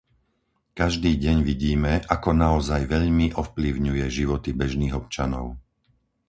Každý deň vidíme, ako naozaj veľmi ovplyvňuje životy bežných občanov.